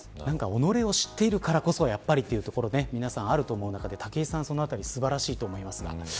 己を知っているからこそやっぱりというところ皆さんあると思う中で武井さん、そのあたり素晴らしいと思いますが。